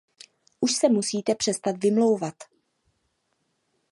Už se musíte přestat vymlouvat.